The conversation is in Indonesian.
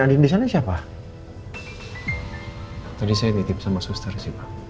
tadi saya nitip sama suster sih pak